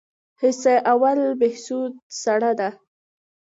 حصه اول بهسود سړه ده؟